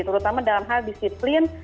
terutama dalam hal disiplin